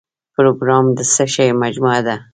پروګرام د څه شی مجموعه ده؟